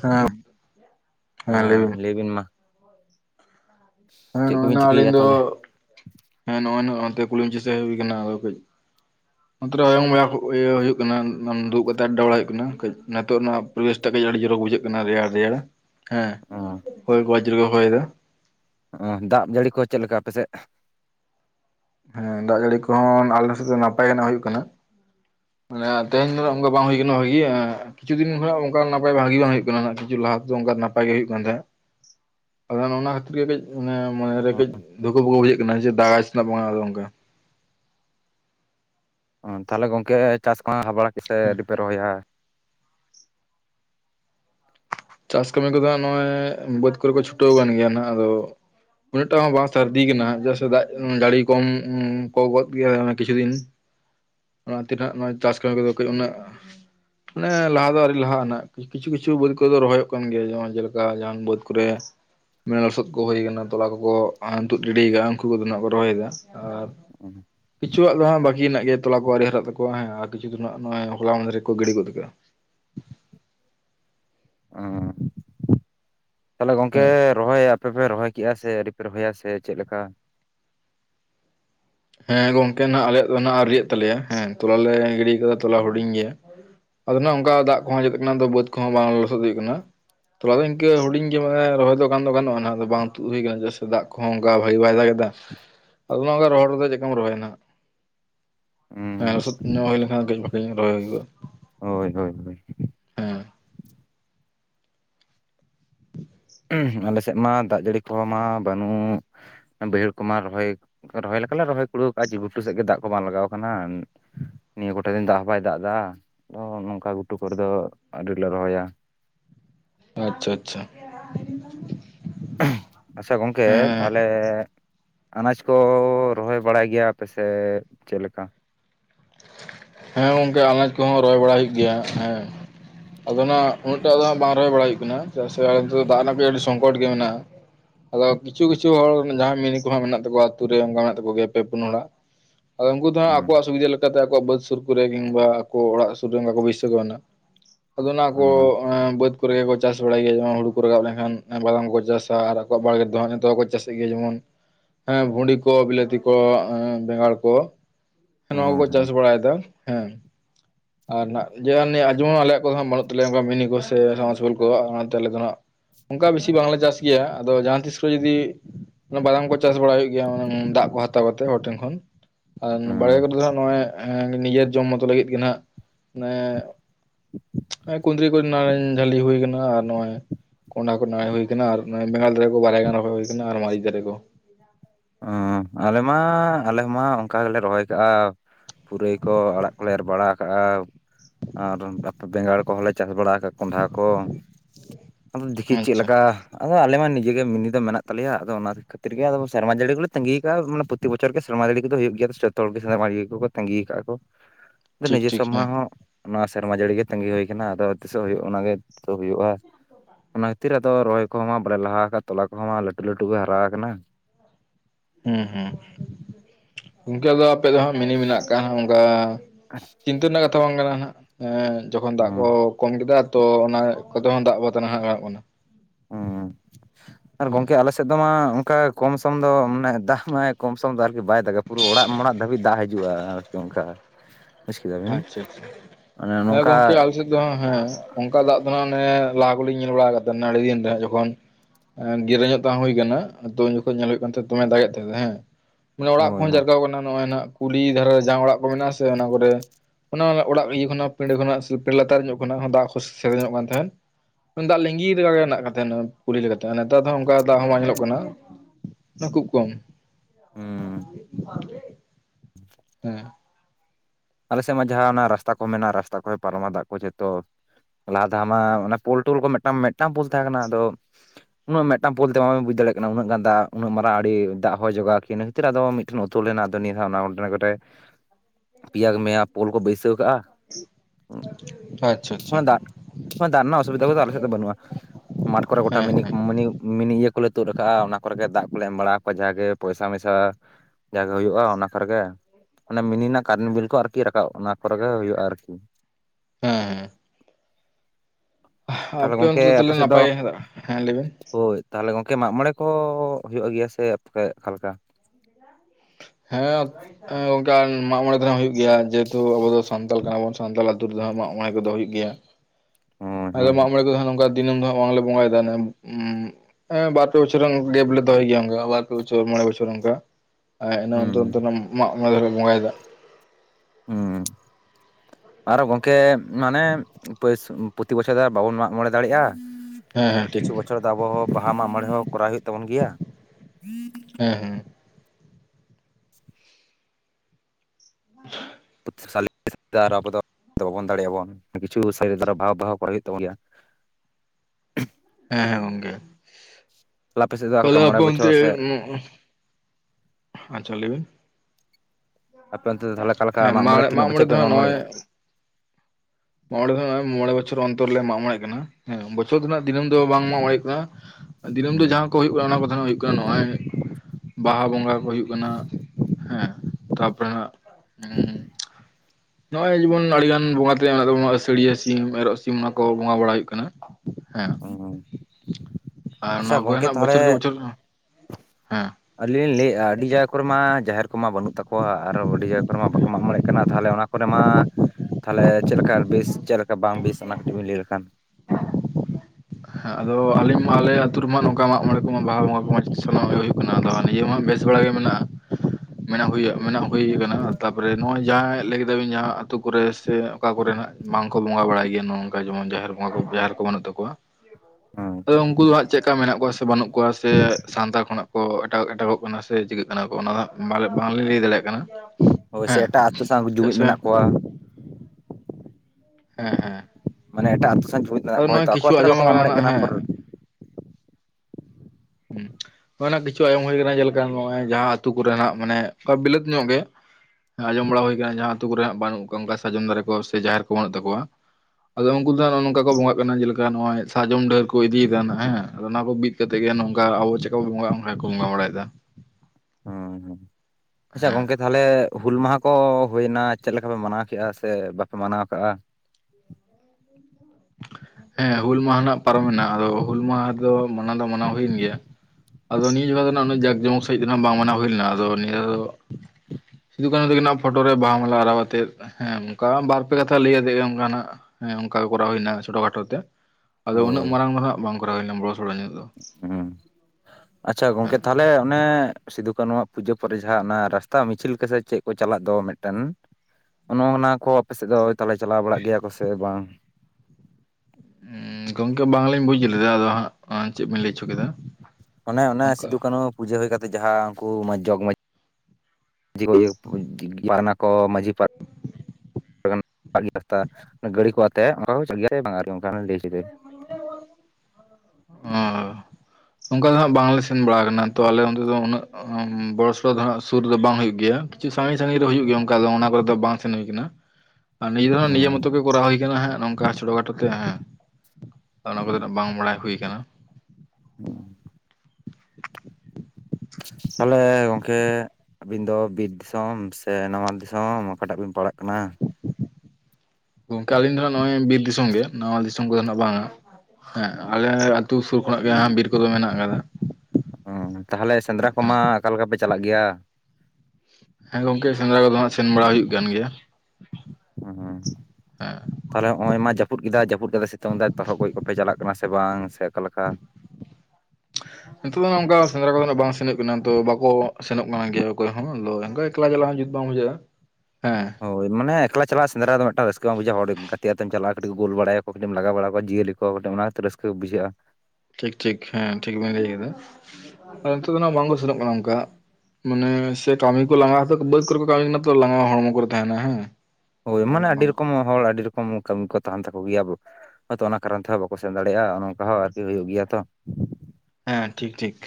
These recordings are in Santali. ᱦᱮᱸ ᱦᱩᱸ ᱞᱟᱹᱭ ᱵᱤᱱ ᱢᱟ ᱦᱮᱸ ᱪᱮᱫ ᱱᱚᱜᱼᱚᱭ ᱠᱚᱵᱤᱱ ᱱᱟ ᱪᱤᱠᱟᱹᱭᱮᱫᱼᱟ ᱟᱹᱞᱤᱧ ᱫᱚ ᱛᱟᱦᱚᱞᱮ? ᱦᱮ ᱱᱚᱜᱚᱭ ᱱᱚᱱᱛᱮ ᱠᱩᱞᱦᱤ ᱢᱩᱪᱟᱹᱫ ᱥᱮᱫ ᱦᱩᱭ ᱠᱟᱱᱟ ᱟᱫᱚ ᱠᱟᱹᱡ [inaudible] ᱚᱱᱛᱮ ᱨᱮ ᱦᱚᱭᱚᱝ ᱵᱟᱭᱟᱝ ᱦᱩᱭᱩᱜ ᱠᱟᱱᱟ ᱫᱩᱲᱩᱵ ᱠᱟᱛᱮᱫ ᱟᱰᱰᱟ ᱵᱟᱲᱟ ᱦᱩᱭᱩᱜ ᱠᱟᱱᱟ ᱠᱟᱹᱡ ᱱᱤᱛᱚᱜ ᱱᱚᱣᱟ ᱯᱚᱨᱤᱵᱮᱥᱴᱟᱜ ᱠᱟᱹᱡ ᱟᱹᱰᱤ ᱪᱳᱨᱳᱠ ᱵᱩᱡᱷᱟᱹᱜ ᱠᱟᱱᱟ ᱨᱮᱭᱟᱲ ᱨᱮᱭᱟᱲ ᱦᱮᱸ ᱦᱚᱭ ᱠᱚ ᱟᱹᱰᱤ ᱡᱳᱨ ᱜᱮ ᱦᱚᱭᱮᱫᱟ᱾ ᱚ ᱫᱟᱜ ᱡᱟᱹᱲᱤ ᱠᱚ ᱪᱮᱫ ᱞᱮᱠᱟ ᱟᱯᱮᱥᱮᱫ? ᱦᱮᱸ ᱫᱟᱜ ᱡᱟᱹᱲᱤ ᱠᱚᱦᱚᱸ ᱟᱞᱮ ᱥᱮᱫ ᱫᱚ ᱱᱟᱯᱟᱭ ᱜᱮᱱᱟᱜ ᱦᱩᱭᱩᱜ ᱠᱟᱱᱟ ᱢᱟᱱᱮ ᱛᱮᱦᱮᱧ ᱚᱱᱠᱟ ᱵᱟᱝ ᱦᱩᱭ ᱠᱟᱱᱟ ᱵᱷᱟᱹᱜᱤ ᱦᱮᱸ ᱠᱤᱪᱷᱩ ᱫᱤᱱ ᱠᱷᱱᱟᱜ ᱚᱱᱠᱟ ᱱᱟᱯᱟᱭ ᱵᱷᱟᱜᱤ ᱵᱟᱝ ᱦᱩᱭᱩᱜ ᱠᱟᱱᱟ ᱠᱤᱪᱩ ᱞᱟᱦᱟ ᱛᱮᱫᱚ ᱚᱱᱠᱟ ᱱᱟᱯᱟᱭ ᱜᱮ ᱦᱩᱭᱩᱜ ᱠᱟᱱ ᱛᱟᱦᱮᱸᱫ ᱟᱫᱚ ᱚᱱᱟ ᱠᱷᱟᱹᱛᱤᱨ ᱜᱮ ᱠᱟᱹᱡ ᱢᱮ ᱢᱚᱱᱮᱨᱮ ᱚ ᱠᱟᱹᱡ ᱫᱩᱠᱟᱹ ᱯᱩᱠᱩ ᱵᱩᱡᱷᱟᱹᱜ ᱠᱟᱱᱟ ᱡᱮ ᱫᱟᱜᱟᱭ ᱥᱮ ᱵᱟᱝᱟ ᱟᱫᱚ ᱚᱱᱠᱟ ᱚᱸᱱ ᱛᱷᱟᱦᱚᱞᱮ ᱜᱚᱝᱠᱮ ᱪᱟᱥ ᱠᱚᱦᱚᱸ ᱦᱮᱸ ᱵᱟᱲᱟ ᱠᱮᱥᱮ ᱟᱹᱰᱤᱯᱮ ᱨᱚᱦᱚᱭᱟ ᱪᱟᱥ ᱠᱟᱹᱢᱤ ᱠᱚᱫᱚᱜ ᱦᱟᱸᱜ ᱱᱚᱜᱼᱚᱭ ᱵᱟᱹᱫᱽ ᱠᱚᱨᱮ ᱠᱚ ᱪᱷᱩᱴᱟᱹᱣ ᱠᱟᱱ ᱜᱮᱭᱟ ᱦᱟᱸᱜ ᱟᱫᱚ ᱩᱱᱟᱹᱜ ᱴᱟ ᱦᱚᱸ ᱵᱟᱝ ᱥᱟᱹᱨᱫᱤ ᱠᱟᱱᱟ ᱡᱟᱜ ᱥᱮ ᱫᱟᱜ ᱡᱟᱹᱲᱤ ᱠᱚᱢ ᱠᱚᱢ ᱜᱚᱫ ᱜᱮᱭᱟ ᱠᱤᱪᱷᱩ ᱫᱤᱱ [inaudible] ᱚᱱᱟ ᱠᱷᱟᱹᱛᱤᱨ ᱱᱟᱸᱜ ᱱᱚᱜᱼᱚᱭ ᱪᱟᱥ ᱠᱟᱢᱤ ᱠᱚᱫᱚ [unintelligible] ᱩᱱᱟᱹᱜ ᱢᱟᱱᱮ ᱞᱟᱦᱟ ᱫᱚ ᱟᱹᱰᱤ ᱞᱟᱦᱟᱱᱟᱜ ᱠᱤᱪᱷᱩ ᱠᱤᱪᱷᱩ ᱵᱟᱹᱛ ᱠᱚ ᱫᱚ ᱨᱚᱦᱚᱭᱚᱜ ᱠᱟᱱ ᱜᱮᱭᱟ ᱡᱟᱦᱟᱸ ᱡᱮᱞᱮᱠᱟ ᱡᱟᱸᱦᱟᱱ ᱵᱟᱹᱫᱽ ᱠᱚᱨᱮ ᱢᱮᱲᱟ ᱞᱚᱥᱚᱫ ᱠᱚ ᱦᱩᱭ ᱟᱠᱟᱱᱟ ᱛᱚᱞᱟ ᱠᱚᱠᱚ ᱛᱩᱫ ᱡᱤᱰᱤ ᱠᱟᱜᱼᱟ ᱩᱝᱠᱩ ᱠᱚᱜᱮ ᱱᱟᱸᱜ ᱠᱚ ᱨᱚᱦᱚᱭᱮᱫᱟ ᱟᱨ [inaudible] ᱠᱤᱪᱷᱩ ᱟᱜ ᱫᱚ ᱦᱟᱸᱜ ᱵᱟᱠᱤ ᱢᱮᱱᱟᱜ ᱜᱮ ᱛᱚᱞᱟ ᱠᱚ ᱟᱹᱣᱨᱤ ᱦᱟᱨᱟᱜ ᱛᱟᱠᱚᱣᱟ ᱦᱮᱸ ᱟᱨ ᱠᱤᱪᱷᱩᱡᱚᱱᱟᱜ ᱱᱚᱜᱼᱚᱭ ᱦᱚᱞᱟ ᱢᱟᱸᱦᱫᱮᱨ ᱜᱮᱠᱚ ᱜᱤᱰᱤ ᱜᱚᱫ ᱠᱟᱜᱼᱟ᱾ ᱚᱸ ᱛᱟᱦᱚᱞᱮ ᱜᱚᱝᱠᱮ ᱨᱚᱦᱚᱭ ᱟᱯᱮᱯᱮ ᱨᱚᱦᱚᱭ ᱠᱮᱜᱼᱟ ᱥᱮᱼᱼ ᱨᱚᱦᱚᱭᱟ ᱥᱮ ᱪᱮᱫ ᱞᱮᱠᱟ, ᱦᱮᱸ ᱜᱚᱝᱠᱮ ᱱᱟᱦᱟᱜ ᱟᱞᱮᱭᱟᱜ ᱫᱚ ᱱᱟᱜ ᱟᱹᱣᱨᱤᱭᱟᱜ ᱛᱟᱞᱮᱭᱟ ᱦᱮᱸ ᱛᱚᱞᱟᱞᱮ ᱜᱤᱰᱤ ᱠᱟᱫᱟ ᱛᱚᱞᱟ ᱦᱩᱰᱤᱧ ᱜᱮᱭᱟ᱾ ᱟᱫᱚ ᱱᱟᱜ ᱚᱝᱠᱟ ᱫᱟᱜ ᱠᱚᱦᱚᱸ ᱟᱸᱡᱮᱫ ᱟᱠᱟᱱᱟ ᱫᱚ ᱵᱟᱹᱫᱽ ᱠᱚᱦᱚᱸ ᱵᱟᱝ ᱞᱚᱥᱚᱫ ᱦᱩᱭᱩᱜ ᱠᱟᱱᱟ᱾ ᱛᱚᱞᱟ ᱫᱚ ᱤᱱᱠᱟᱹ ᱦᱩᱰᱤᱧ ᱜᱮ ᱢᱟᱱᱮ ᱨᱚᱦᱚᱭ ᱫᱚ ᱜᱟᱱ ᱫᱚ ᱜᱟᱱᱚᱜᱼᱟᱦᱟᱸᱜ ᱫᱚ ᱵᱟᱝ ᱛᱩᱫ ᱦᱩᱭ ᱟᱠᱟᱱᱟ ᱪᱮᱫᱟᱜ ᱥᱮ ᱫᱟᱜ ᱠᱚᱼᱼ ᱠᱚᱸᱦᱚ ᱚᱝᱠᱟ ᱵᱷᱟᱜᱤ ᱵᱟᱭ ᱫᱟᱜ ᱜᱮᱫᱟ ᱟᱫᱚ ᱱᱟᱜ ᱚᱝᱠᱟ ᱨᱚᱦᱚᱲ ᱨᱮᱫᱚᱼᱼ ᱪᱮᱠᱟᱢ ᱨᱚᱦᱚᱭ ᱟᱱᱟᱜ ᱦᱮᱸ ᱦᱩᱸ ᱞᱚᱥᱚᱫ ᱧᱚᱜ ᱦᱩᱭ ᱞᱮᱱᱠᱷᱟᱱ ᱠᱟᱹᱡ ᱵᱷᱟᱜᱤ ᱧᱚᱜ ᱨᱚᱦᱚᱭ ᱦᱩᱭ ᱠᱚᱜᱼᱟ᱾ ᱦᱳᱭ ᱦᱳᱭ ᱦᱳᱭ᱾ ᱟᱞᱮ ᱥᱮᱫ ᱢᱟ ᱫᱟᱜ ᱡᱟᱹᱲᱤ ᱠᱚ ᱢᱟ ᱵᱟᱹᱱᱩᱜ ᱵᱟᱹᱭᱦᱟᱹᱲ ᱠᱚᱢᱟ ᱨᱚᱦᱚᱭᱼᱼ ᱚᱱᱠᱟ ᱨᱚᱦᱚᱭ ᱞᱮᱠᱟᱞᱮ ᱨᱚᱦᱚᱭ ᱯᱩᱨᱟᱹᱣ ᱠᱟᱜᱼᱟ ᱡᱮ ᱵᱩᱴᱩ ᱥᱮᱫ ᱜᱮ ᱫᱟᱜ ᱠᱚ ᱵᱟᱝ ᱞᱟᱜᱟᱣ ᱟᱠᱟᱱᱟ᱾ ᱱᱤᱭᱟᱹ ᱠᱚᱴᱟ ᱫᱤᱱ ᱫᱟᱜ ᱦᱚᱸ ᱵᱟᱭ ᱫᱟᱜ ᱮᱫᱟ ᱱᱚᱜᱼᱚᱭ ᱱᱚᱝᱠᱟ ᱜᱷᱩᱴᱩ ᱠᱚᱨᱮ ᱫᱚ ᱟᱣᱨᱤᱞᱮ ᱨᱚᱦᱚᱭᱟ᱾ ᱟᱪᱪᱷᱟ ᱟᱪᱪᱷᱟ᱾ ᱟᱪᱪᱷᱟ ᱜᱚᱝᱢᱠᱮ ᱦᱮᱸ ᱛᱟᱦᱚᱞᱮᱼᱼ ᱟᱱᱟᱡᱽ ᱠᱚ ᱨᱚᱦᱚᱭ ᱵᱟᱲᱟᱭ ᱜᱮᱭᱟᱯᱮᱥᱮ ᱪᱮᱫᱞᱮᱠᱟ? ᱦᱮᱸ ᱜᱚᱝᱠᱮ ᱟᱱᱟᱡ ᱠᱚᱦᱚᱸ ᱨᱚᱦᱚᱭ ᱵᱟᱲᱟ ᱦᱩᱭᱩᱜ ᱜᱮᱭᱟ ᱦᱮᱸ᱾ [inaudible] ᱟᱫᱚ ᱱᱟᱸᱜ ᱩᱱᱟᱹᱜᱴᱟᱜ ᱫᱚ ᱦᱟᱸᱜ ᱵᱟᱝ ᱨᱚᱦᱚᱭ ᱵᱟᱲᱟ ᱦᱩᱭᱩᱜ ᱠᱟᱱᱟ ᱪᱟᱜ ᱥᱮ ᱟᱞᱮ ᱚᱱᱛᱮ ᱫᱚ ᱫᱟᱜ ᱨᱮᱱᱟᱜ ᱜᱮ ᱟᱹᱰᱤ ᱥᱚᱝᱠᱚᱴ ᱜᱮ ᱢᱮᱱᱟᱜᱼᱟ᱾ ᱟᱫᱚ ᱠᱤᱪᱷᱩ ᱠᱤᱪᱷᱩ ᱦᱚᱲ ᱡᱟᱦᱟᱸᱭ ᱢᱤᱱᱤ ᱠᱚ ᱦᱟᱸᱜ ᱢᱮᱱᱟᱜ ᱛᱟᱠᱚᱣᱟ ᱟᱛᱳ ᱨᱮ ᱚᱝᱠᱟ ᱢᱮᱱᱟᱜ ᱛᱟᱠᱚ ᱜᱮᱭᱟ ᱯᱮ ᱯᱩᱱ ᱦᱚᱲᱟᱜᱼᱼ ᱟᱫᱚ ᱩᱱᱠᱩ ᱫᱚ ᱦᱟᱸᱜ ᱦᱩᱸ ᱟᱠᱚᱣᱟᱜ ᱥᱩᱵᱤᱫᱷᱟ ᱞᱮᱠᱟᱛᱮ ᱟᱠᱚᱣᱟᱜ ᱵᱟᱹᱫ ᱥᱩᱨ ᱠᱚᱨᱮ ᱠᱤᱝᱵᱟ ᱟᱠᱚ ᱚᱲᱟᱜ ᱥᱩᱨ ᱨᱮ ᱚᱝᱠᱟ ᱠᱚ ᱵᱟᱹᱭᱥᱟᱹᱣ ᱠᱟᱣᱱᱟ᱾ ᱟᱫᱚ ᱱᱟ ᱠᱚ ᱦᱩᱸ ᱵᱟᱹᱛᱼᱼ ᱦᱩᱲᱩ ᱠᱚᱠᱚ ᱪᱟᱥ ᱵᱟᱲᱟᱭ ᱜᱮᱭᱟ ᱡᱮᱢᱚᱱ ᱦᱩᱲᱩ ᱠᱚ ᱨᱟᱠᱟᱵ ᱞᱮᱱᱠᱷᱟᱱ ᱵᱟᱫᱟᱢ ᱠᱚᱠᱚ ᱪᱟᱥᱟ ᱟᱨ ᱟᱠᱚᱣᱟᱜ ᱵᱟᱲᱜᱮ ᱨᱮ ᱫᱚ ᱦᱟᱸᱜ ᱱᱤᱛᱚᱜ ᱦᱚᱸᱠᱚ ᱪᱟᱥᱮᱫ ᱜᱮᱭᱟ ᱡᱮᱢᱚᱱᱼᱼ ᱦᱮᱸ ᱵᱷᱩᱸᱰᱤ ᱠᱚ ᱵᱤᱞᱟᱹᱛᱤ ᱠᱚ ᱵᱮᱸᱜᱟᱲ ᱠᱚ ᱦᱮᱸ ᱱᱚᱣᱟ ᱠᱚ ᱦᱩᱸ ᱠᱚᱼᱼ ᱦᱩᱸ ᱠᱚᱲᱟᱭ ᱫᱟᱭ ᱦᱮᱸ᱾ [inaudible] ᱟᱨ ᱱᱟᱜ ᱡᱮᱢᱚᱱ ᱟᱡᱩᱦᱚᱸ ᱟᱞᱮᱭᱟᱜ ᱠᱚᱫᱚ ᱦᱟᱸᱜ ᱵᱟᱹᱱᱩᱜ ᱛᱟᱞᱮᱭᱟ ᱚᱝᱠᱟ ᱢᱤᱱᱤ ᱠᱚ ᱥᱮ ᱥᱟᱢᱟᱥᱤᱵᱚᱞ ᱠᱚ ᱚᱱᱟᱛᱮ ᱟᱫᱚ ᱟᱞᱮ ᱫᱚ ᱱᱟᱸᱜᱼᱼ ᱚᱝᱠᱟ ᱵᱮᱥᱤ ᱵᱟᱝᱞᱮ ᱪᱟᱥ ᱜᱮᱭᱟ ᱟᱫᱚ ᱡᱟᱦᱟᱸ ᱛᱤᱥ ᱨᱮ ᱡᱩᱫᱤᱼᱼ ᱵᱟᱫᱟᱢ ᱠᱚ ᱪᱟᱥ ᱵᱟᱲᱟ ᱦᱩᱭᱩᱜ ᱜᱮᱭᱟ ᱫᱟᱜ ᱠᱚ ᱦᱟᱛᱟᱣ ᱠᱟᱛᱮᱜ ᱦᱚᱲ ᱴᱷᱮᱱ ᱠᱷᱚᱱ᱾ ᱟᱨ ᱵᱟᱲᱜᱮ ᱦᱩᱸ ᱫᱚ ᱦᱟᱸᱜ ᱱᱚᱜᱼᱚᱭ ᱱᱤᱡᱮᱨ ᱡᱚᱢ ᱢᱚᱛᱚ ᱞᱟᱹᱜᱤᱫ ᱜᱮ ᱱᱟᱸᱦᱟᱜ ᱱᱚᱭᱼᱼ ᱠᱩᱫᱽᱨᱤ ᱠᱚ ᱱᱟᱱ ᱡᱷᱟᱹᱞᱤ ᱦᱩᱭ ᱠᱟᱱᱟ ᱟᱨ ᱱᱚᱜᱼᱚᱭ, ᱠᱚᱸᱰᱟ ᱠᱚ ᱱᱟᱸᱜ ᱦᱩᱭ ᱠᱟᱱᱟ ᱟᱨ ᱵᱮᱸᱜᱟᱲ ᱫᱷᱟᱨᱮ ᱠᱚ ᱵᱟᱨᱮᱭᱟ ᱜᱟᱱ ᱨᱚᱦᱚᱭ ᱦᱩᱭ ᱟᱠᱟᱱᱟ ᱟᱨ ᱢᱟᱨᱤᱪ ᱫᱟᱨᱮ ᱠᱚ᱾ ᱚᱸ ᱟᱞᱮ ᱢᱟ ᱟᱞᱮ ᱢᱟ ᱚᱝᱠᱟ ᱜᱮᱞᱮ ᱨᱚᱦᱚᱭ ᱠᱟᱜᱼᱟ᱾ ᱯᱩᱨᱟᱹᱭ ᱠᱚ ᱟᱲᱟᱜ ᱠᱚᱞᱮ ᱮᱨ ᱵᱟᱲᱟ ᱟᱠᱟᱟᱜᱼᱟ᱾ ᱟᱨ ᱵᱮᱸᱜᱟᱲ ᱠᱚᱦᱚᱸᱞᱮ ᱪᱟᱥ ᱵᱟᱲᱟ ᱠᱟᱜ ᱠᱚᱸᱱᱰᱷᱟ ᱠᱚ ᱾ ᱟᱫᱚ ᱫᱮᱠᱷᱤ ᱪᱮᱫ ᱟᱪᱪᱷᱟ ᱞᱮᱠᱟ ᱟᱫᱚ ᱟᱞᱮ ᱢᱟ ᱱᱤᱡᱮᱜᱮ ᱢᱤᱱᱤ ᱫᱚ ᱢᱮᱱᱟᱜ ᱛᱟᱞᱮᱭᱟ ᱟᱫᱚ ᱚᱱᱟ ᱠᱷᱟᱹᱛᱤᱨ ᱜᱮ ᱟᱫᱚᱼᱼ ᱥᱮᱨᱢᱟ ᱡᱟᱹᱲᱤ ᱠᱚᱞᱮ ᱛᱟᱹᱜᱤ ᱠᱟᱜᱼᱟ ᱢᱟᱱᱮ ᱯᱚᱛᱤ ᱵᱚᱷᱚᱨ ᱜᱮ ᱥᱮᱨᱢᱟ ᱡᱟᱹᱲᱤ ᱠᱚᱫᱚ ᱦᱩᱭᱩᱜ ᱜᱮᱭᱟ ᱡᱚᱛᱚ ᱜᱮ ᱥᱮᱨᱢᱟ ᱡᱟᱹᱲᱤ ᱜᱮ ᱠᱚᱠᱚ ᱛᱟᱺᱜᱤ ᱠᱟᱜᱼᱟ ᱠᱚ᱾ ᱴᱷᱤᱠ ᱴᱷᱤᱠ ᱱᱤᱡᱮᱥᱚᱢᱟ ᱦᱮᱸ ᱦᱚᱸᱼᱼ ᱚᱱᱟ ᱥᱮᱨᱢᱟ ᱡᱟᱹᱲᱤ ᱜᱮ ᱛᱟᱺᱜᱤ ᱦᱩᱭ ᱠᱟᱱᱟ ᱟᱫᱚ ᱛᱤᱥᱚᱜ ᱦᱩᱭᱩᱜ ᱚᱱᱟ ᱜᱮ ᱪᱮᱜ ᱦᱩᱭᱩᱜᱼᱟ᱾ ᱚᱱᱟ ᱠᱷᱟᱹᱛᱤᱨ ᱟᱫᱚ ᱨᱚᱦᱚᱭ ᱠᱚᱦᱚᱸ ᱢᱟ ᱵᱟᱞᱮ ᱞᱟᱦᱟ ᱟᱠᱟᱜᱼᱟ ᱛᱚᱞᱟ ᱠᱚᱦᱚᱸ ᱢᱟ ᱞᱟᱹᱴᱩ ᱞᱟᱹᱴᱩ ᱜᱮ ᱦᱟᱨᱟ ᱟᱠᱟᱱᱟ᱾ ᱦᱩᱸ ᱦᱩᱸ ᱜᱚᱝᱠᱮ ᱟᱫᱚ ᱟᱯᱮ ᱫᱚ ᱦᱟᱸᱜ ᱢᱤᱱᱤ ᱢᱮᱱᱟᱜ ᱟᱠᱟᱜᱼᱟ ᱦᱟᱸᱜ ᱚᱝᱠᱟᱼᱼ [inaudible] ᱨᱮᱱᱟᱜ ᱠᱟᱛᱷᱟ ᱵᱟᱝ ᱠᱟᱱᱟ ᱦᱟᱝ ᱦᱮ ᱡᱚᱠᱷᱚᱱ ᱫᱟᱜ ᱠᱚ ᱦᱩᱸ ᱠᱚᱢ ᱠᱮᱫᱟ ᱛᱚ ᱚᱱᱟ ᱡᱚᱛᱚᱠᱷᱚᱱ ᱫᱟᱜ [unintelligible] ᱦᱟᱜ ᱜᱟᱱᱚᱜ ᱠᱟᱱᱟ ᱦᱩᱸᱻ ᱟᱨ ᱜᱚᱢᱠᱮ ᱟᱞᱮᱥᱮᱫ ᱫᱚ ᱢᱟ ᱚᱱᱠᱟ ᱠᱚᱢ ᱥᱚᱢ ᱫᱚ ᱢᱟᱱᱮ ᱫᱟᱜ ᱢᱟᱭ ᱠᱚᱢ ᱥᱚᱢ ᱫᱚ ᱟᱨᱠᱤ ᱵᱟᱭ ᱫᱟᱜᱟ ᱯᱩᱨᱟᱹ ᱚᱲᱟᱜ ᱢᱚᱲᱟᱜ ᱫᱷᱟᱹᱵᱤᱡ ᱫᱟᱜ ᱦᱤᱡᱩᱜᱼᱟ ᱟᱨᱠᱤ ᱚᱱᱠᱟ ᱵᱩᱡᱽ ᱠᱮᱫᱟᱵᱤᱱ, ᱟᱪᱪᱷᱟ ᱢᱟᱱᱮ ᱱᱚᱝᱠᱟ ᱟᱫᱚ ᱦᱟᱸᱜ ᱦᱮᱸ ᱾ ᱚᱱᱠᱟ ᱫᱟᱜ ᱫᱚ ᱦᱟᱸᱜ ᱚᱱᱮ ᱞᱟᱦᱟ ᱠᱷᱚᱱ ᱞᱤᱧ ᱧᱮᱞ ᱵᱟᱲᱟ ᱟᱠᱟᱫ ᱛᱟᱦᱮᱱ, ᱟᱹᱰᱤ ᱫᱤᱱ ᱨᱮ ᱦᱟᱸᱜ ᱡᱚᱠᱷᱚᱱ ᱦᱮ ᱜᱤᱫᱨᱟᱹ ᱧᱚᱜ ᱛᱟᱦᱮ ᱦᱩᱭ ᱠᱟᱱᱟ᱾ ᱟᱫᱚ ᱩᱱ ᱡᱚᱠᱷᱚᱱ ᱧᱮᱞ ᱦᱩᱭᱩᱜ ᱠᱟᱱ ᱛᱟᱦᱮᱸᱫ ᱫᱚᱢᱮ ᱫᱟᱜ ᱮᱫ ᱛᱟᱦᱮᱸᱫ ᱦᱮᱸ᱾ ᱢᱟᱱᱮ ᱚᱲᱟᱜ ᱦᱳᱭ ᱠᱚᱦᱚᱸ ᱦᱳᱭ ᱡᱟᱨᱠᱟᱣ ᱟᱠᱟᱱᱟ, ᱱᱚᱜᱼᱚᱭ ᱱᱟᱦᱟᱜ ᱠᱩᱞᱦᱤ ᱫᱷᱟᱨᱮ ᱡᱟᱦᱟ ᱚᱲᱟᱜ ᱠᱚ ᱢᱮᱱᱟᱜᱼᱟ ᱥᱮ ᱚᱱᱟ ᱠᱚᱨᱮ ᱚᱱᱟ ᱚᱲᱟᱜ ᱤᱭᱟᱹ ᱠᱷᱚᱱᱟᱜ ᱯᱤᱸᱰᱟ. ᱠᱷᱚᱱᱟᱜ ᱥᱮ ᱯᱤᱸᱰᱟᱹ ᱞᱟᱛᱟᱨ ᱧᱚᱜ ᱠᱷᱚᱱᱟᱜ ᱦᱚᱸ ᱫᱟᱜ ᱠᱚ ᱥᱮᱛᱮᱧᱚᱜ ᱠᱟᱱ ᱛᱟᱦᱮᱸᱫ ᱾ ᱫᱟᱜ ᱞᱤᱜᱤ ᱞᱮᱠᱟ ᱜᱮ ᱢᱮᱱᱟᱜ ᱟᱠᱟᱫ ᱛᱟᱦᱮᱱᱟ ᱾ ᱠᱩᱞᱤ ᱞᱮᱠᱟᱛᱮ, ᱱᱮᱛᱟᱨ ᱫᱚ ᱦᱟᱜ ᱚᱱᱠᱟ ᱫᱟᱜ ᱦᱚᱸ ᱵᱟᱝ ᱧᱮᱞᱚᱜ ᱠᱟᱱᱟ ᱾ ᱚᱱᱟ ᱠᱷᱩᱵ ᱠᱚᱢ ᱾ [inaudible] ᱦᱩᱸ ᱦᱮᱸ᱾ ᱟᱞᱮ ᱥᱮᱫ ᱢᱟ ᱡᱟᱦᱟᱸ ᱚᱱᱟ ᱨᱟᱥᱛᱟ ᱠᱚ ᱢᱮᱱᱟᱜᱼᱟ ᱾ ᱨᱟᱥᱛᱟ ᱠᱚᱭ ᱯᱟᱨᱚᱢᱟ ᱫᱟᱜ ᱠᱚ ᱡᱷᱚᱛᱚ ᱾ ᱞᱟᱦᱟ ᱫᱷᱟᱣ ᱢᱟ ᱚᱱᱟ ᱯᱳᱞ-ᱴᱳᱞ ᱠᱚ ᱢᱤᱫᱴᱟᱝ ᱢᱤᱫᱴᱟᱝ ᱯᱳᱞ ᱛᱟᱦᱮᱸ ᱠᱟᱱᱟ ᱾ ᱟᱫᱚ ᱩᱱᱟᱹᱜ ᱢᱤᱫᱴᱟᱝ ᱯᱳᱞ ᱛᱮ ᱢᱟ ᱵᱮᱱ ᱵᱩᱡᱽ ᱫᱟᱲᱮᱭᱟᱜ ᱠᱟᱱᱟ ᱩᱱᱟᱹᱜ ᱜᱟᱱ ᱫᱟᱜ ᱩᱱᱟᱹᱜ ᱢᱟᱨᱟᱝ ᱟᱲᱮ ᱫᱟᱜ ᱚᱦᱚᱭ ᱡᱚᱜᱟᱣ ᱠᱮᱭᱟ᱾ ᱤᱱᱟᱹ ᱤᱱᱟᱹ ᱠᱷᱟᱹᱛᱤᱨ ᱟᱫᱚ ᱢᱤᱫᱴᱮᱱ ᱟᱹᱛᱩ ᱞᱮᱱᱟ᱾ ᱟᱫᱚ ᱱᱤᱭᱟᱹ ᱫᱷᱟᱣ ᱚᱱᱟ [unintelligible] ᱯᱮᱭᱟ ᱢᱮᱭᱟ ᱯᱳᱞ ᱠᱚ ᱵᱟᱹᱭᱥᱟᱹᱣ ᱠᱟᱜᱼᱟ᱾ ᱟᱪᱪᱷᱟ ᱟᱪᱪᱷᱟ ᱚᱱᱟ ᱦᱮᱸ ᱫᱟᱜᱻ ᱫᱟᱜ ᱨᱮᱱᱟᱜ ᱚᱥᱩᱵᱤᱫᱟ ᱠᱚᱫᱚ ᱟᱞᱮ ᱥᱮᱫ ᱫᱚ ᱵᱟᱹᱱᱩᱜᱼᱟ ᱾ ᱢᱟᱴ ᱠᱚᱨᱮ ᱜᱚᱴᱟ ᱦᱮᱸ ᱢᱤᱱᱤ ᱢᱤᱱᱤ ᱢᱤᱱᱤ ᱤᱭᱟᱹ ᱠᱚᱞᱮ ᱛᱩᱫ ᱨᱟᱠᱟᱜᱼᱟ ᱾ ᱚᱱᱟ ᱠᱚᱨᱮ ᱜᱮ ᱫᱟᱜ ᱠᱚᱞᱮ ᱮᱢ ᱵᱟᱲᱟ ᱟᱠᱚᱣᱟ ᱡᱟᱜᱮ ᱯᱚᱭᱥᱟ ᱢᱚᱭᱥᱟ ᱡᱟ ᱜᱮ ᱦᱩᱭᱩᱜᱼᱟ ᱚᱱᱟ ᱠᱚᱨᱮᱜ ᱜᱮ ᱾ ᱚᱱᱮ ᱢᱤᱱᱤ ᱨᱮᱱᱟᱜ ᱠᱟᱨᱮᱱᱴ ᱵᱤᱞ ᱠᱚ ᱟᱨᱠᱤ ᱨᱟᱠᱟᱵ, ᱚᱱᱟ ᱠᱚᱨᱮ ᱜᱮ ᱦᱩᱭᱩᱜᱼᱟ ᱟᱨᱠᱤ᱾ ᱦᱮᱸ ᱦᱮᱸ᱾ ᱛᱟᱦᱚᱞᱮ ᱟᱯᱮ ᱜᱚᱝᱠᱮ ᱚᱱᱛᱮ ᱟᱯᱮ ᱛᱟᱦᱚᱞᱮ ᱥᱮᱫ ᱫᱚ, ᱱᱟᱯᱟᱭ ᱦᱮᱸ ᱞᱟᱹᱭ ᱵᱮᱱ [inaudible] ᱦᱳᱭ ᱾ ᱛᱟᱦᱚᱞᱮ ᱜᱚᱝᱠᱮ ᱢᱟᱜᱢᱚᱬᱮ ᱠᱚ ᱦᱩᱭᱩᱜ ᱜᱮᱭᱟ ᱥᱮ, ᱟᱯᱮ ᱚᱠᱟ ᱞᱮᱠᱟ? [inaudible] ᱦᱮᱸ ᱾ ᱦᱮᱸ, ᱜᱚᱢᱠᱮ ᱢᱟᱜ ᱢᱚᱬᱮ ᱫᱚ ᱦᱟᱸᱜ ᱦᱩᱭᱩᱜ ᱜᱮᱭᱟ ᱾ ᱡᱮᱦᱮᱛᱩ ᱟᱵᱚ ᱫᱚ ᱥᱟᱱᱛᱟᱞ ᱠᱟᱱᱟ ᱵᱚᱱ ᱥᱟᱱᱛᱟᱞ ᱟᱹᱛᱩ ᱨᱮᱫᱚ ᱦᱟᱸᱜ ᱢᱟᱜ ᱢᱚᱬᱮ ᱠᱚᱫᱚ ᱦᱩᱭᱩᱜ ᱜᱮᱭᱟ ᱾ ᱦᱳᱭ ᱟᱞᱮ ᱫᱚ ᱦᱳᱭ ᱢᱟᱜ ᱢᱚᱬᱮ ᱠᱚᱫᱚ ᱦᱟᱜ ᱱᱚᱝᱠᱟ ᱫᱤᱱᱟᱹᱢ ᱫᱚ ᱦᱟᱜ ᱵᱟᱝᱞᱮ ᱵᱚᱸᱜᱟᱭᱮᱫᱟ [unintelligible] ᱦᱮᱸ ᱵᱟᱨᱯᱮ ᱵᱚᱪᱷᱚᱨ ᱜᱮᱵ ᱞᱮ ᱫᱚᱦᱚᱭ ᱜᱮᱭᱟ ᱾ ᱚᱱᱠᱟ ᱵᱟᱨ ᱯᱮ ᱵᱚᱪᱷᱚᱨ ᱢᱚᱸᱬᱮ ᱵᱚᱪᱷᱚᱨ ᱚᱱᱠᱟ ᱾ ᱟᱨ ᱤᱱᱟᱹᱜ ᱦᱩᱸ ᱚᱱᱛᱚᱨ ᱚᱱᱛᱚᱨ ᱢᱟᱜ ᱢᱚᱬᱮ ᱫᱚᱞᱮ ᱵᱚᱸᱜᱟᱭᱮᱫᱟ ᱾ ᱦᱩᱸ ᱾ ᱟᱨᱚ ᱜᱚᱢᱠᱮ ᱢᱟᱱᱮ ᱯᱚᱛᱤ ᱵᱚᱪᱷᱚᱨ ᱫᱚ ᱵᱟᱵᱚᱱ ᱢᱟᱜ ᱢᱚᱬᱮ ᱫᱟᱲᱮᱭᱟᱜᱼᱟ ᱦᱮᱸ ᱾ ᱟᱨ ᱦᱮᱸ ᱴᱷᱤᱠ ᱠᱤᱪᱷᱩ ᱵᱚᱪᱷᱚᱨ ᱫᱚ ᱟᱵᱚ ᱦᱚᱸ ᱵᱟᱦᱟ ᱢᱟᱜ ᱢᱚᱬᱮ ᱦᱚᱸ ᱠᱚᱨᱟᱣ ᱦᱩᱭᱩᱜ ᱛᱟᱵᱚᱱ ᱜᱮᱭᱟ ᱾ ᱦᱮᱸ ᱦᱮᱸ ᱾ [inaudible] [unintelligible] ᱥᱟᱞ ᱫᱚ ᱟᱵᱚ ᱫᱚ ᱵᱟᱵᱚᱱ ᱫᱟᱲᱮᱭᱟᱜ ᱟᱵᱚᱱ ᱾ ᱠᱤᱪᱷᱩ ᱥᱟᱞ ᱫᱚ ᱵᱷᱟᱜ ᱵᱷᱟᱜ ᱦᱩᱭᱩᱜ ᱛᱟᱵᱚᱱ ᱜᱮᱭᱟ ᱾ ᱦᱮᱸ ᱦᱮᱸ ᱜᱚᱝᱠᱮ ᱛᱟᱦᱚᱞᱮ ᱟᱯᱮ ᱥᱮᱫ ᱫᱚ ᱾ [inaudible] ᱚᱠᱟ ᱞᱮᱠᱟ ᱛᱟᱦᱚᱞᱮ ᱢᱚᱬᱮ ᱟᱯᱮ ᱵᱚᱪᱷᱚᱨ ᱚᱱᱛᱮ ᱥᱮ ᱟᱪᱪᱷᱟ ᱞᱟᱹᱭᱵᱤᱱ, ᱟᱯᱮ ᱚᱱᱛᱮ ᱫᱚ ᱛᱟᱦᱚᱞᱮ ᱚᱠᱟ ᱦᱮᱸ ᱞᱮᱠᱟ? ᱢᱟᱜ ᱢᱚᱬᱮ ᱛᱤᱱᱟᱹᱜ ᱵᱚᱪᱷᱚᱨ ᱫᱚ ᱯᱮ ᱦᱟᱸᱜ ᱢᱟᱜ ᱱᱚᱜᱼᱚᱭ ᱢᱚᱲᱮᱜᱼᱟ? ᱢᱟᱜ ᱢᱚᱬᱮ ᱫᱚ ᱦᱟᱜ ᱱᱚᱜᱚᱭ ᱢᱚᱸᱬᱮ ᱵᱚᱪᱷᱚᱨ ᱚᱱᱛᱚᱨ ᱞᱮ ᱢᱟᱜ-ᱢᱚᱬᱮᱜ ᱠᱟᱱᱟ, ᱦᱮᱸ ᱾ ᱵᱚᱪᱷᱚᱨ ᱫᱚ ᱱᱟᱦᱟᱜ ᱫᱤᱱᱟᱹᱢ ᱫᱚ ᱵᱟᱝ ᱢᱟᱜ ᱢᱚᱬᱮ ᱦᱩᱭᱩᱜ ᱠᱟᱱᱟ ᱾ ᱫᱤᱱᱟᱹᱢ ᱫᱚ ᱡᱟᱦᱟᱸ ᱠᱚ ᱦᱩᱭᱩᱜ ᱠᱟᱱᱟ ᱚᱱᱟ ᱠᱚ ᱫᱚ ᱦᱟᱜ ᱦᱩᱭᱩᱜ ᱠᱟᱱᱟ ᱱᱚᱜᱼᱚᱭ ᱵᱟᱦᱟ ᱵᱚᱸᱜᱟ ᱠᱚ ᱦᱩᱭᱩᱜ ᱠᱟᱱᱟ, ᱦᱮᱸ᱾ ᱛᱟᱯᱚᱨᱮ ᱦᱟᱜ ᱦᱮᱸ, [inaudible] ᱱᱚᱜᱼᱚᱭ ᱡᱮᱢᱚᱱ ᱟᱹᱰᱤᱜᱟᱱ ᱵᱚᱸᱜᱟ ᱛᱮ, ᱟᱹᱥᱟᱹᱲᱤᱭᱟᱹ ᱥᱤᱢ, ᱮᱨᱚᱜ ᱥᱤᱢ, ᱚᱱᱟ ᱠᱚ ᱵᱚᱸᱜᱟ ᱵᱟᱲᱟ ᱦᱩᱭᱩᱜ ᱠᱟᱱᱟ ᱾ ᱦᱮᱸ᱾ ᱦᱩᱸ [inaudible] ᱟᱨ ᱟᱪᱪᱷᱟ ᱱᱚᱣᱟ ᱠᱚ ᱜᱚᱝᱠᱮ [unintelligible] ᱛᱟᱦᱚᱞᱮ ᱵᱚᱪᱷᱚᱨ ᱜᱮ ᱵᱚᱪᱷᱚᱨ, [inaudible] ᱦᱮᱸ ᱾ ᱟᱹᱞᱤᱧ ᱞᱤᱧ ᱞᱟᱹᱭᱮᱫᱼᱟ, ᱟᱹᱰᱤ ᱡᱟᱭᱜᱟ ᱠᱚᱨᱮ ᱢᱟ ᱡᱟᱦᱮᱨ ᱠᱚᱢᱟ ᱵᱟᱹᱱᱩᱜ ᱛᱟᱠᱚᱣᱟ ᱟᱨᱚ ᱟᱹᱰᱤ ᱡᱟᱭᱜᱟ ᱠᱚᱨᱮ ᱢᱟ ᱵᱟᱠᱚ ᱢᱟᱜᱽ ᱢᱚᱬᱮᱜ ᱠᱟᱱᱟ, ᱛᱟᱦᱚᱞᱮ ᱚᱱᱟ ᱠᱚᱨᱮ ᱢᱟ, ᱛᱟᱦᱚᱞᱮ ᱪᱮᱫ ᱞᱮᱠᱟ ᱵᱮᱥ, ᱪᱮᱫ ᱞᱮᱠᱟ ᱵᱟᱝ ᱵᱮᱥ, ᱚᱱᱟ ᱠᱟᱹᱴᱤᱡ ᱵᱤᱱ ᱞᱟᱹᱭ ᱞᱮᱠᱷᱟᱱ ᱦᱮᱸ ᱟᱫᱚ ᱟᱞᱤᱧ ᱢᱟ ᱟᱞᱮ ᱟᱹᱛᱩ ᱨᱮᱢᱟ ᱱᱚᱝᱠᱟ ᱢᱟᱜ ᱢᱚᱬᱮ ᱠᱚᱢᱟ, ᱵᱟᱦᱟ ᱵᱚᱸᱜᱟ ᱠᱚ ᱢᱚᱸᱡᱽ ᱥᱟᱱᱟᱢᱟᱜ ᱜᱮ ᱦᱩᱭᱩᱜ ᱠᱟᱱᱟ ᱾ ᱛᱟᱦᱚᱞᱮ ᱱᱤᱡᱮ ᱢᱟ ᱵᱮᱥ ᱵᱟᱲᱟ ᱜᱮ ᱢᱮᱱᱟᱜᱼᱟ ᱾ ᱢᱮᱱᱟᱜ ᱦᱩᱭ ᱢᱮᱱᱟᱜ ᱦᱩᱭ ᱟᱠᱟᱱᱟ, ᱟᱫ ᱛᱟᱯᱚᱨᱮ ᱱᱚᱜᱼᱚᱭ ᱡᱟᱦᱟᱸ ᱞᱟᱹᱜᱤᱫ ᱞᱟᱵᱤᱱ ᱡᱟᱦᱟᱸ ᱟᱛᱳ ᱠᱚᱨᱮ ᱥᱮ ᱚᱠᱟ ᱠᱚᱨᱮ ᱱᱟᱦᱟᱜ ᱵᱟᱝᱠᱚ ᱵᱚᱸᱜᱟ ᱵᱟᱲᱟᱭ ᱜᱮᱭᱟ ᱱᱚᱜᱼᱚᱭ ᱱᱚᱝᱠᱟ ᱡᱮᱢᱚᱱ ᱡᱟᱦᱮᱨ ᱵᱚᱸᱜᱟ ᱠᱚ ᱡᱟᱦᱮᱨ ᱠᱚ ᱵᱟᱹᱱᱩᱜ ᱛᱟᱠᱚᱣᱟ᱾ ᱦᱮᱸ ᱟᱫᱚ ᱩᱱᱠᱩ ᱫᱚ ᱦᱟᱸᱜ ᱪᱮᱫ ᱞᱮᱠᱟ ᱢᱮᱱᱟᱜ ᱠᱚᱣᱟ ᱥᱮ ᱵᱟᱹᱱᱩᱜ ᱠᱚᱣᱟ ᱥᱮ ᱥᱟᱱᱛᱟᱲ ᱠᱷᱚᱱᱟᱜ ᱠᱚ ᱮᱴᱟᱜ ᱮᱴᱟᱜᱚᱜ ᱠᱟᱱᱟ ᱥᱮ ᱪᱤᱠᱟᱹᱜ ᱠᱟᱱᱟ ᱠᱚ ᱚᱱᱟ ᱫᱚ ᱵᱟᱝ ᱞᱮ ᱞᱟᱹᱭ ᱫᱟᱲᱮᱭᱟᱜ ᱠᱟᱱᱟ? ᱦᱳᱭ ᱥᱮ ᱦᱮᱸ ᱮᱴᱟᱜ ᱟᱹᱛᱩ ᱥᱟᱶ ᱪᱮᱫᱟᱜ ᱡᱩᱢᱤᱫ ᱥᱮ ᱢᱮᱱᱟᱜ ᱠᱚᱣᱟ᱾ ᱦᱮᱸ ᱦᱮᱸ᱾ ᱢᱟᱱᱮ ᱮᱴᱟᱜ ᱟᱹᱛᱩ ᱥᱟᱣ ᱡᱩᱢᱤᱛ ᱢᱮᱱᱟᱜ ᱟᱫᱚ ᱠᱚ ᱱᱚᱜᱼᱚᱭ ᱦᱚᱭᱛᱚ ᱟᱠᱚ ᱠᱤᱪᱷᱩ ᱟᱹᱛᱩ ᱨᱮ ᱟᱸᱡᱚᱢ ᱵᱟᱠᱚ ᱟᱠᱟᱱᱟ ᱢᱟᱢᱲᱮᱜ ᱱᱟᱜ ᱠᱟᱱᱟ ᱦᱮᱸ ᱯᱚᱨ ᱦᱚ ᱚᱱᱟ ᱠᱤᱪᱷᱩ ᱟᱡᱚᱢ ᱦᱩᱭ ᱟᱠᱟᱱᱟ, ᱡᱮᱞᱮᱠᱟ ᱱᱚᱜᱼᱚᱭ ᱡᱟᱦᱟᱸ ᱟᱹᱛᱩ ᱠᱚᱨᱮᱱᱟᱜ ᱢᱟᱱᱮ ᱚᱱᱠᱟ ᱵᱤᱞᱟᱹᱛ ᱧᱚᱜ ᱜᱮ ᱸᱟᱡᱚᱢ ᱵᱟᱲᱟ ᱦᱩᱭᱠᱟᱱᱟ, ᱡᱟᱦᱟᱸ ᱟᱛᱳ ᱠᱚᱨᱮ ᱦᱟᱸᱜ ᱵᱟᱹᱱᱩᱜ ᱠᱚᱣᱟ, ᱚᱱᱠᱟ ᱥᱟᱨᱡᱚᱢ ᱫᱟᱨᱮ ᱠᱚ ᱥᱮ ᱡᱟᱦᱮᱨ ᱠᱚ ᱵᱟᱹᱱᱩᱜ ᱛᱟᱠᱚᱣᱟ᱾ ᱟᱫᱚ ᱩᱱᱠᱩ ᱫᱚ ᱱᱚᱜ ᱱᱚᱝᱠᱟ ᱠᱚ ᱵᱚᱸᱜᱟᱜ ᱠᱟᱱᱟ, ᱡᱮᱞᱮᱠᱟ ᱱᱚᱜᱼᱚᱭ ᱥᱟᱡᱚᱢ ᱰᱷᱟᱹᱨ ᱠᱚ ᱤᱫᱤᱭᱮᱫᱟ ᱦᱮᱸ ᱟᱫᱚ ᱚᱱᱟ ᱠᱚ ᱵᱤᱫ ᱠᱟᱛᱮᱜ ᱱᱚᱝᱠᱟ ᱚᱱᱠᱟ ᱟᱵᱚ ᱪᱮᱫ ᱠᱟ ᱵᱚᱸᱜᱟᱜᱼᱟ? ᱚᱱᱠᱟ ᱠᱚ ᱵᱚᱸᱜᱟ ᱵᱟᱲᱟᱭ ᱮᱫᱟ᱾ ᱦᱩᱸ ᱦᱩᱸ ᱟᱪᱪᱷᱟ ᱦᱮᱸ ᱜᱚᱝᱠᱮ ᱛᱟᱦᱚᱞᱮ ᱦᱩᱞ ᱢᱟᱦᱟ ᱠᱚ ᱦᱩᱭᱱᱟ, ᱪᱮᱫ ᱞᱮᱠᱟ ᱯᱮ ᱢᱟᱱᱟᱣ ᱠᱮᱫᱼᱟ ᱥᱮ ᱵᱟᱯᱮ ᱢᱟᱱᱟᱣ ᱠᱟᱜᱼᱟ? [inaudible] ᱦᱮᱸ ᱦᱩᱞ ᱢᱟᱦᱟ ᱱᱟᱜ ᱯᱟᱨᱚᱢ ᱢᱮᱱᱟᱜᱼᱟ᱾ ᱟᱫᱚ ᱦᱩᱞ ᱢᱟᱦᱟ ᱨᱮᱫᱚ ᱢᱟᱱᱟᱣ ᱫᱚ ᱢᱟᱱᱟᱣ ᱦᱩᱭᱮᱱ ᱜᱮᱭᱟ᱾ ᱟᱫᱚ ᱱᱤᱭᱟᱹ ᱡᱟᱭᱜᱟ ᱫᱚᱱᱟᱜ ᱩᱱᱟᱹᱜ ᱡᱟᱠ ᱡᱚᱢᱚᱠ ᱥᱟᱦᱤᱡ ᱫᱚ ᱱᱟᱜ ᱵᱟᱝ ᱢᱟᱱᱟᱣ ᱦᱩᱭ ᱞᱮᱱᱟ ᱟᱫᱚ ᱱᱤᱭᱟᱹ ᱫᱚ ᱥᱤᱫᱷᱩ ᱠᱟᱹᱱᱦᱩ ᱛᱟᱠᱤᱱᱟᱜ ᱯᱷᱳᱴᱳ ᱨᱮ ᱵᱟᱦᱟ ᱢᱟᱞᱟ ᱟᱨᱟᱣ ᱟᱛᱮᱫ ᱦᱮᱸ, ᱚᱱᱠᱟ ᱵᱟᱨᱯᱮ ᱠᱟᱛᱷᱟ ᱞᱟᱹᱭ ᱟᱛᱮ ᱜᱮ ᱚᱱᱠᱟᱱᱟᱜ ᱦᱮᱸ ᱚᱱᱠᱟ ᱜᱮ ᱠᱚᱨᱟᱣ ᱦᱩᱭᱱᱟ᱾ ᱪᱷᱚᱴᱳ ᱠᱷᱟᱴᱳ ᱛᱮ᱾ ᱟᱫᱚ ᱩᱱᱟᱹᱜ ᱢᱟᱨᱟᱝ ᱫᱚ ᱦᱟᱜ ᱵᱟᱝ ᱠᱚᱨᱟᱣ ᱦᱩᱭᱱᱟ᱾ ᱵᱚᱲᱚ ᱥᱚᱲᱚᱧᱚᱜ ᱫᱚ ᱦᱮᱸ ᱟᱪᱪᱷᱟ ᱜᱚᱝᱠᱮ ᱛᱟᱦᱞᱮ ᱚᱱᱮ ᱥᱤᱫᱩ ᱠᱟᱹᱱᱩᱣᱟᱜ ᱯᱩᱡᱟᱹ ᱯᱚᱨᱮ ᱡᱟᱦᱟᱸ ᱚᱱᱟ ᱨᱟᱥᱛᱟ ᱢᱤᱪᱷᱤᱞ ᱞᱮᱠᱟ ᱥᱮ ᱪᱮᱫ ᱠᱚ ᱪᱟᱞᱟᱜ ᱫᱚ ᱢᱤᱫᱴᱮᱱ? ᱚᱱ ᱚᱱᱟ ᱠᱚ ᱟᱯᱮ ᱥᱮᱫ ᱫᱚ ᱛᱟᱞᱮ ᱪᱟᱞᱟᱣ ᱵᱟᱲᱟᱜ ᱜᱮᱭᱟ ᱠᱚ ᱥᱮ ᱵᱟᱝ? ᱜᱚᱝᱠᱮ ᱵᱟᱝ ᱞᱤᱧ ᱵᱩᱡ ᱞᱮᱫᱟ, ᱟᱫᱚ ᱦᱟᱸᱜ ᱪᱮᱫ ᱵᱤᱱ ᱞᱟᱹᱭ ᱦᱚᱪᱚ ᱠᱮᱫᱟ? ᱚᱱᱮ ᱚᱱᱮ ᱚᱱᱠᱟ ᱥᱤᱫᱩᱼ ᱠᱟᱹᱱᱦᱩ ᱯᱩᱡᱟᱹ ᱦᱩᱭ ᱠᱟᱛᱮᱫ ᱡᱟᱦᱟᱸ ᱩᱱᱠᱩ ᱢᱟ ᱡᱚᱜᱽ ᱢᱚᱡᱽ [unintelligible] ᱯᱟᱨᱜᱟᱱᱟ ᱠᱚ ᱢᱟᱹᱡᱷᱤ ᱯᱟ [unintelligible] ᱨᱟᱥᱛᱟ ᱜᱟᱹᱰᱤ ᱠᱚ ᱟᱛᱮᱫ ᱚᱱᱠᱟ ᱪ ᱜᱮᱭᱟ [unintelligible] ᱚᱱᱠᱟ ᱞᱟᱹᱭ ᱚᱪᱚᱭᱫᱟᱧ [unintelligible] ᱦᱮᱸ᱾ ᱚᱱᱠᱟ ᱫᱚ ᱦᱟᱜ ᱵᱟᱝᱞᱮ ᱥᱮᱱ ᱵᱟᱲᱟ ᱟᱠᱟᱱᱟ ᱛᱚ, ᱟᱞᱮ ᱚᱱᱰᱮ ᱫᱚ ᱩᱱᱟᱹᱜ ᱵᱚᱲᱚ ᱥᱚᱲᱚ ᱫᱚ ᱦᱟᱜ ᱥᱩᱨ ᱨᱮ ᱫᱚ ᱵᱟᱝ ᱦᱩᱭᱩᱜ ᱜᱮᱭᱟ᱾ ᱠᱤᱪᱷᱩ ᱥᱟᱺᱜᱤᱧ ᱥᱟᱺᱜᱤᱧ ᱨᱮ ᱦᱩᱭᱩᱜ ᱜᱮᱭᱟ᱾ ᱚᱱᱠᱟ ᱫᱚ ᱚᱱᱟ ᱠᱚᱨᱮ ᱫᱚ ᱵᱟᱝ ᱥᱮᱱ ᱦᱩᱭ ᱠᱟᱱᱟ᱾ [unintelligible] ᱟᱨ ᱱᱤᱡᱮ ᱫᱚ ᱱᱤᱡᱮ ᱦᱩᱸ ᱢᱚᱛᱚ ᱜᱮ ᱠᱚᱨᱟᱣ ᱦᱩᱭ ᱠᱟᱱᱟ, ᱱᱚᱝᱠᱟ ᱪᱷᱴᱚ ᱠᱷᱟᱴᱳ ᱛᱮ ᱦᱮᱸ᱾ ᱚᱱᱟ ᱠᱚᱫᱚ ᱦᱩᱸ ᱵᱟᱝ ᱵᱟᱲᱟᱭ ᱦᱩᱭ ᱟᱠᱟᱱᱟ᱾ [inaudible] ᱛᱟᱦᱚᱞᱮ ᱜᱚᱝᱠᱮ ᱟᱹᱵᱤᱱ ᱫᱚ ᱵᱤᱨ ᱫᱤᱥᱚᱢ ᱥᱮ ᱱᱟᱢᱟᱞ ᱫᱤᱥᱚᱢ, ᱚᱠᱟᱴᱟᱜ ᱵᱤᱱ ᱯᱟᱲᱟᱜ ᱠᱟᱱᱟ? ᱚᱱᱠᱟ ᱟᱞᱤᱧ ᱫᱚᱦᱟᱜ ᱱᱚᱜᱼᱚᱭ ᱵᱤᱫ ᱫᱤᱥᱚᱢ ᱜᱮ᱾ ᱱᱟᱢᱟᱞ ᱫᱤᱥᱚᱢ ᱠᱚᱫᱚ ᱱᱟᱜ ᱵᱟᱝᱼᱟ ᱦᱮᱸ ᱟᱞᱮ ᱟᱹᱛᱩ ᱥᱩᱨ ᱠᱷᱚᱱᱟᱜ ᱜᱮ ᱵᱤᱨ ᱠᱚᱫᱚ ᱢᱮᱱᱟᱜ ᱟᱠᱟᱫᱟ᱾ ᱚ ᱛᱟᱦᱚᱞᱮ ᱥᱮᱸᱫᱽᱨᱟ ᱦᱮᱸ ᱠᱚᱢᱟ ᱚᱠᱟ ᱞᱮᱠᱟ ᱯᱮ ᱪᱟᱞᱟᱜ ᱜᱮᱭᱟ? ᱦᱮᱸ ᱜᱚᱢᱠᱮ ᱥᱮᱸᱫᱽᱨᱟ ᱠᱚᱫᱚ ᱦᱟᱜ ᱥᱮᱱ ᱵᱟᱲᱟ ᱦᱩᱭᱩᱜ ᱠᱟᱱ ᱜᱮᱭᱟ᱾ ᱚ ᱦᱚᱸ ᱦᱮᱸ ᱛᱟᱦᱚᱞᱮ ᱱᱚᱜᱼᱭ ᱢᱟ ᱡᱟᱹᱯᱩᱫ ᱠᱮᱫᱟ ᱡᱟᱹᱯᱩᱫ ᱠᱮᱫᱟᱭ ᱥᱤᱛᱩᱝ ᱫᱟᱭ ᱛᱚᱨᱚᱦᱚᱫ ᱜᱚᱡ ᱠᱚᱯᱮ ᱪᱟᱞᱟᱜ ᱠᱟᱱᱟ ᱥᱮ ᱵᱟᱝ ᱥᱮ ᱚᱠᱟ ᱞᱮᱠᱟ? [unintelligible] ᱱᱤᱛᱚᱜ ᱫᱚ ᱚᱱᱠᱟ ᱥᱮᱸᱫᱽᱨᱟ ᱠᱚᱫᱚ ᱵᱟᱝ ᱥᱮᱱᱚᱜ ᱦᱩᱭᱩᱜ ᱠᱟᱱᱟ ᱱᱤ ᱛᱚ ᱵᱟᱠᱚ ᱥᱮᱱᱚᱜ ᱠᱟᱱᱟ ᱜᱮᱭᱟ ᱚᱠᱚᱭ ᱦᱚᱸ ᱟᱫᱚ ᱮᱱᱠᱟ᱾ ᱮᱠᱞᱟ ᱪᱟᱞᱟᱜ ᱦᱚᱸ ᱡᱩᱛ ᱵᱟᱝ ᱵᱩᱡᱷᱟᱹᱜᱼᱟ ᱦᱮᱸ᱾ ᱦᱳᱭ ᱢᱟᱱᱮ ᱮᱠᱞᱟ ᱪᱟᱞᱟᱜ ᱥᱮᱸᱫᱽᱨᱟ ᱫᱚ ᱢᱤᱫᱴᱟᱝ ᱨᱟᱹᱥᱠᱟᱹ ᱵᱟᱝ ᱵᱩᱡᱟᱜ ᱦᱚᱲ ᱜᱟᱛᱮ ᱠᱟᱛᱮᱢ ᱪᱟᱞᱟᱜᱼᱟ᱾ ᱠᱟᱹᱴᱤᱡ ᱠᱚ ᱜᱳᱞ ᱵᱟᱲᱟᱭᱠᱚ ᱠᱟᱹᱴᱤᱡ ᱞᱟᱜᱟᱣ ᱵᱟᱲᱟ ᱠᱚᱣᱟ ᱡᱤᱭᱟᱹᱞᱤ ᱠᱚ ᱠᱷᱴ [unintelligible] ᱚᱱᱟ ᱠᱷᱟᱹᱛᱤᱨ ᱨᱟᱹᱥᱠᱟᱹ ᱵᱩᱡᱷᱟᱹᱜᱼᱟ᱾ ᱴᱷᱤᱠ ᱴᱷᱤᱠ ᱦᱮᱸ ᱴᱷᱤᱠ ᱵᱮᱱ ᱞᱟᱹᱭ ᱟᱠᱟᱫᱟ ᱱᱤᱛᱚᱜ ᱫᱚ ᱵᱟᱝ ᱠᱚ ᱥᱮᱱᱚᱜ ᱠᱟᱱᱟ ᱚᱱᱠᱟ᱾ ᱢᱟᱱᱮ ᱥᱮ ᱠᱟᱹᱢᱤ ᱠᱚ ᱞᱟᱸᱜᱟ ᱵᱟᱹᱛ ᱠᱚᱨᱮ ᱠᱚ ᱠᱟᱹᱢᱤ ᱛᱚ ᱞᱟᱸᱜᱟᱣ ᱦᱚᱲᱢᱚ ᱠᱚ ᱨᱮ ᱛᱟᱦᱮᱱᱟ ᱦᱮᱸ ᱦᱳᱭ ᱢᱟᱱᱮ ᱟᱫᱚ ᱟᱹᱰᱤ ᱵᱟᱝ ᱨᱚᱠᱚᱢ ᱦᱚᱲ ᱟᱹᱰᱤ ᱨᱚᱠᱚᱢ ᱠᱟᱹᱢᱤ ᱠᱚ ᱛᱟᱦᱮᱱ ᱛᱟᱠᱚ ᱜᱮᱭᱟ ᱵᱚᱞᱮ ᱦᱳᱭᱛᱳ ᱚᱱᱟ ᱠᱟᱨᱚᱱ ᱛᱮᱦᱚᱸ ᱵᱟᱠᱚ ᱥᱮᱱ ᱫᱟᱲᱮᱭᱟᱜᱼᱟ ᱱᱚᱝᱠᱟ ᱦᱚᱸ ᱟᱨᱠᱤ ᱦᱩᱭᱩᱜ ᱜᱮᱭᱟ ᱛᱚ᱾ ᱦᱮᱸ ᱴᱷᱤᱠ ᱴᱷᱤᱠ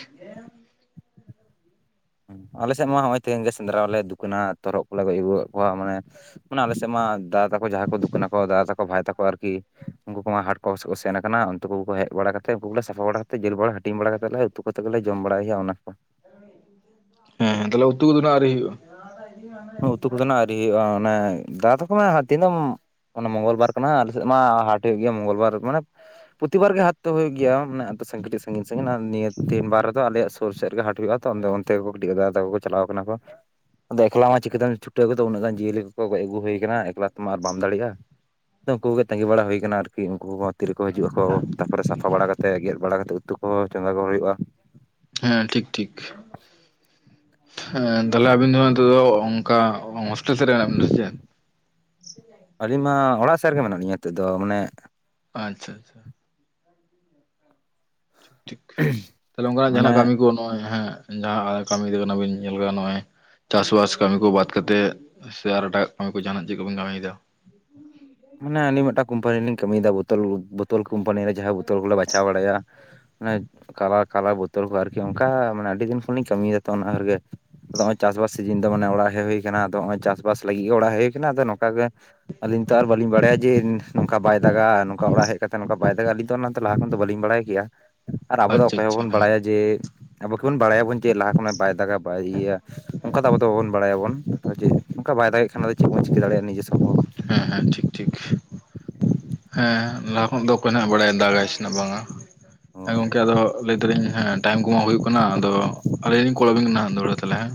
ᱟᱞᱮ ᱥᱮᱫ ᱢᱟ ᱦᱚᱸᱜᱼᱚᱭ ᱛᱮᱦᱮᱧ ᱜᱮ ᱥᱮᱸᱫᱽᱨᱟ ᱞᱮ ᱫᱩᱠᱟᱹᱱᱟ ᱛᱚᱨᱦᱚᱫ ᱠᱚᱞᱮ ᱜᱚᱡ ᱟᱹᱜᱩᱣᱟᱜ ᱠᱚᱣᱟ ᱢᱟᱱᱮ ᱢᱟᱱᱮ ᱟᱞᱮᱥᱮᱫ ᱢᱟ ᱫᱟᱫᱟ ᱛᱟᱠᱚ ᱡᱟᱦᱟᱸᱭ ᱠᱚ ᱫᱩᱠᱟᱹᱱᱟ ᱠᱚ ᱫᱟᱫᱟ ᱛᱟᱠᱚ ᱵᱷᱟᱭ ᱛᱟᱠᱚ ᱟᱨᱠᱤ ᱩᱱᱠᱩ ᱠᱚᱢᱟ ᱦᱟᱴ ᱠᱚ ᱠᱚ ᱥᱮᱱ ᱟᱠᱟᱱᱟ ᱩᱱᱠᱩ ᱦᱮᱡ ᱵᱟᱲᱟ ᱠᱟᱛᱮᱫ ᱩᱱᱠᱩ ᱠᱚᱞᱮ ᱥᱟᱯᱷᱟ ᱵᱟᱲᱟ ᱠᱟᱛᱮᱫ ᱡᱮᱞ ᱵᱟᱲᱟ ᱦᱟᱹᱴᱤᱧ ᱵᱟᱲᱟ ᱠᱟᱛᱮᱫ ᱞᱮ ᱩᱛᱩ ᱠᱟᱛᱮ ᱜᱮᱞᱮ ᱡᱚᱢ ᱵᱟᱲᱟᱭ ᱦᱩᱭᱩᱜᱼᱟ ᱚᱱᱟ ᱠᱚ ᱦᱮᱸ ᱦᱮᱸ ᱛᱟᱞᱦᱮ ᱩᱛᱩ ᱫᱚ ᱱᱟᱜ ᱟᱣᱨᱤ ᱦᱩᱭᱩᱜᱼᱟ ᱩᱛᱩ ᱠᱚᱫᱚ ᱱᱟᱜ ᱟᱹᱣᱨᱤ ᱦᱩᱭᱩᱜᱼᱟ ᱚᱱᱮ ᱫᱟ ᱛᱟᱠᱚ ᱱᱷᱟᱜ ᱫᱤᱱᱟᱹᱢ ᱚᱱᱟ ᱢᱚᱝᱜᱚᱞ ᱵᱟᱨ ᱠᱟᱱᱟ ᱟᱞᱮ ᱥᱮᱫ ᱢᱟ ᱦᱟᱴ ᱦᱩᱭᱩᱜ ᱜᱮᱭᱟ ᱢᱚᱝᱜᱚᱞ ᱵᱟᱨ ᱢᱟᱱᱮ ᱯᱨᱚᱛᱤᱵᱟᱨ ᱜᱮ ᱦᱟᱴ ᱫᱚ ᱦᱩᱭᱩᱜ ᱜᱮᱭᱟ ᱢᱟᱱᱮ ᱥᱟᱺᱤᱧ ᱥᱟᱺᱤᱧ ᱱᱤᱭᱟᱹ ᱛᱮᱦᱮᱱᱵᱟᱨ ᱨᱮᱫᱚ ᱟᱞᱮᱭᱟᱜ ᱥᱩᱨ ᱥᱮᱫᱜ ᱜᱮ ᱦᱟᱴ ᱦᱩᱭᱩᱜᱼᱟ ᱚᱱᱛᱮ ᱜᱮ ᱠᱟᱹᱴᱤᱡ ᱫᱟᱫᱟ ᱛᱟᱠᱚ ᱪᱟᱞᱟᱣ ᱠᱟᱱᱟ ᱠᱚ ᱟᱫᱚ ᱮᱠᱞᱟ ᱢᱟ ᱪᱤᱠᱟᱹᱛᱮᱢ ᱪᱷᱩᱴᱟᱹᱣᱜᱚᱫᱚ ᱩᱱᱟᱹᱜ ᱜᱟᱱ ᱡᱤᱭᱟᱹᱞᱤ ᱠᱚᱠᱚ ᱜᱚᱡ ᱟᱹᱜᱩ ᱦᱩᱭ ᱟᱠᱟᱱᱟ ᱮᱠᱞᱟ ᱛᱮᱢᱟ ᱟᱨ ᱵᱟᱢ ᱫᱟᱲᱮᱭᱟᱜᱼᱟ ᱛᱚ ᱩᱱᱠᱩ ᱠᱚ ᱜᱮ ᱛᱟᱸᱜᱤ ᱵᱟᱲᱟ ᱦᱩᱭ ᱟᱠᱟᱱᱟ ᱟᱨᱠᱤ ᱩᱱᱠᱩ ᱠᱚ ᱛᱤ ᱨᱮ ᱠᱚ ᱦᱤᱡᱩᱜ ᱟᱠᱚ ᱛᱟᱯᱚᱨᱮ ᱥᱟᱯᱷᱟ ᱵᱟᱲᱟ ᱠᱟᱛᱮᱫ ᱜᱮᱫ ᱵᱟᱲᱟ ᱠᱟᱛᱮᱫ ᱩᱛᱩ ᱠᱚᱦᱚᱸ ᱪᱚᱸᱫᱟ ᱠᱚ ᱦᱩᱭᱩᱜᱼᱟ ᱦᱮᱸ ᱴᱷᱤᱠ ᱴᱷᱤᱠ ᱦᱮᱸ ᱛᱟᱦᱞᱮ ᱟᱵᱤᱱ ᱫᱚ ᱱᱤᱛᱚᱜ ᱫᱚ ᱚᱱᱠᱟ ᱦᱳᱥᱴᱮᱞ ᱥᱮᱫ ᱨᱮ ᱢᱮᱱᱟᱜ ᱵᱤᱱᱟ ᱥᱮ ᱪᱮᱫ ᱟᱹᱞᱤᱧ ᱢᱟ ᱚᱲᱟᱜ ᱥᱮᱫ ᱨᱮᱜᱮ ᱢᱮᱱᱟᱜ ᱞᱤᱧᱟ ᱱᱤᱛᱚᱜ ᱫᱚ ᱢᱟᱱᱮ ᱟᱪᱪᱷᱟ ᱟᱪᱪᱷᱟ ᱴᱷᱤᱠ ᱴᱷᱤᱠ ᱛᱟᱦᱞᱮ ᱚᱱᱠᱟᱱᱟᱜ ᱢᱟᱱᱮ ᱡᱟᱦᱱᱟᱜ ᱠᱟᱹᱢᱤ ᱱᱚᱜᱚᱭ ᱦᱮᱸ ᱡᱟᱦᱟᱸ ᱠᱟᱹᱢᱤ [unintelligible] ᱠᱟᱱᱟᱵᱤᱱ ᱧᱮᱞ ᱟᱠᱟᱫᱟ ᱱᱚᱜᱼᱚᱭ ᱪᱟᱥᱵᱟᱥ ᱠᱟᱹᱢᱤ ᱠᱚ ᱵᱟᱫᱛᱮᱫ ᱥᱮ ᱟᱨ ᱮᱴᱟᱜ ᱠᱟᱹᱢᱤ ᱠᱚ ᱡᱟᱦᱟᱱᱟᱜ ᱪᱮᱫ ᱠᱚᱵᱤᱱ ᱠᱟᱹᱢᱤᱭᱮᱫᱟ ᱢᱟᱱᱮ ᱟᱹᱞᱤᱧ ᱢᱤᱫᱴᱟᱝ ᱠᱳᱢᱯᱟᱱᱤ ᱞᱤᱧᱠᱟᱢᱤᱭᱮᱫᱟ ᱵᱳᱛᱚᱞ ᱵᱳᱛᱳᱞ ᱠᱚᱳᱢᱯᱟᱱᱤ ᱨᱮ ᱡᱟᱦᱟᱸ ᱵᱳᱛᱳᱞ ᱠᱚᱞᱮ ᱵᱟᱪᱷᱟᱣ ᱵᱟᱲᱟᱭᱟ ᱚᱱᱟ ᱠᱟᱞᱟᱨ ᱠᱟᱞᱟᱨ ᱵᱳᱛᱚᱞ ᱠᱚ ᱟᱨᱠᱤ ᱚᱱᱠᱟ ᱢᱟᱱᱮ ᱟᱹᱰᱤ ᱫᱤᱱ ᱠᱷᱚᱱᱞᱤᱧ ᱠᱟᱹᱢᱤᱭᱮᱫᱟ ᱛᱚ ᱚᱱᱟ ᱜᱮ ᱾ ᱟᱫᱚ ᱱᱚᱜᱼᱚᱭ ᱪᱟᱥᱵᱟᱥ ᱥᱤᱡᱤᱱ ᱫᱚ ᱢᱟᱱᱮ ᱚᱲᱟᱜ ᱦᱮᱡ ᱦᱩᱭ ᱠᱟᱱᱟ ᱟᱠᱟᱱᱟ ᱟᱫᱚ ᱱᱚᱜᱼᱭ ᱪᱟᱥᱵᱟᱥ ᱞᱟᱹᱜᱤᱫ ᱜᱮ ᱚᱲᱟᱜ ᱦᱮᱡ ᱦᱩᱭ ᱟᱠᱟᱱᱟ ᱟᱫᱚ ᱱᱚᱝᱠᱟ ᱜᱮ ᱟᱞᱤᱧ ᱵᱟᱹᱞᱤᱧ ᱵᱟᱲᱟᱭᱟ ᱡᱮ ᱱᱚᱝᱠᱟ ᱵᱟᱭ ᱫᱟᱜᱟ ᱱᱚᱝᱠᱟ ᱚᱲᱟᱜ ᱦᱮᱡ ᱠᱟᱛᱮ ᱱᱚᱠᱟ ᱵᱟᱭ ᱫᱟᱜᱟ ᱟᱹᱞᱤᱧ ᱫᱚ ᱚᱱᱟᱛᱮ ᱞᱟᱦᱟ ᱠᱷᱚᱱ ᱫᱚ ᱵᱟᱞᱤᱧ ᱵᱟᱲᱟᱭ ᱜᱮᱭᱟ᱾ ᱟᱨ ᱟᱵᱚ ᱫᱚ ᱟᱪᱪᱷᱟ ᱚᱠᱚᱭ ᱟᱪᱪᱷᱟ ᱦᱚᱸᱵᱟᱵᱚᱱ ᱦᱮᱸ ᱵᱟᱲᱟᱭᱟ ᱡᱮ ᱟᱵᱚ ᱠᱤ ᱵᱚᱱ ᱵᱟᱲᱟᱭᱟ ᱵᱚᱱ ᱡᱮ ᱞᱟᱦᱟ ᱠᱷᱚᱱᱟᱜ ᱵᱟᱭ ᱫᱟᱜᱟ ᱵᱟᱭ ᱤᱭᱟᱹᱭᱟ ᱚᱝᱠᱟ ᱫᱚ ᱟᱵᱚ ᱫᱚ ᱵᱟᱵᱚᱱ ᱵᱟᱲᱟᱭᱟ ᱵᱚᱱ᱾ ᱟᱫᱚ ᱪᱮᱜ ᱚᱝᱠᱟ ᱵᱟᱭ ᱫᱟᱜᱮᱜ ᱠᱷᱟᱱ ᱟᱫᱚ ᱪᱮᱜ ᱵᱚᱱ ᱪᱤᱠᱟᱹ ᱫᱟᱲᱮᱭᱟᱜ-ᱟ ᱱᱤᱡᱮ ᱥᱚᱢᱵ ᱦᱚᱸ᱾ ᱦᱩᱸ ᱦᱩᱸ ᱴᱷᱤᱠ ᱴᱷᱤᱠ ᱦᱮᱸ ᱞᱟᱦᱟ ᱠᱷᱚᱱ ᱫᱚ ᱠᱚᱭᱱᱟᱜ ᱵᱟᱰᱟᱭ ᱫᱟᱲᱮ ᱟᱭᱥᱮᱱᱟᱜ ᱵᱟᱝᱟ ᱦᱮᱸ ᱦᱳᱭ ᱜᱚᱝᱠᱮ ᱟᱫᱚ ᱞᱟᱹᱭ ᱫᱟᱞᱤᱧ ᱦᱮᱸ ᱴᱟᱭᱤᱢ ᱠᱚᱢᱟ ᱦᱩᱭᱩᱜ ᱠᱟᱱᱟ ᱟᱫᱚ ᱟᱹᱞᱤᱧ ᱞᱤᱧ ᱠᱚᱞ ᱟᱵᱤᱱ ᱠᱟᱱᱟ ᱫᱚᱲᱦᱟ ᱛᱟᱞᱦᱮ ᱦᱮᱸ